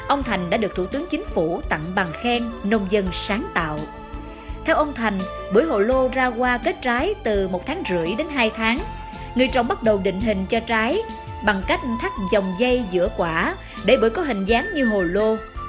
ông thành đã được thủ tướng chính phủ tặc biệt và đặt vào chủ tịch của bưởi hồ lô